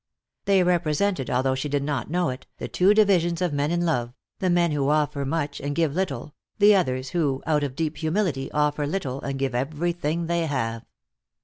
They represented, although she did not know it, the two divisions of men in love, the men who offer much and give little, the others who, out of a deep humility, offer little and give everything they have.